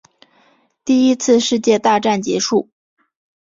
第一次世界大战结束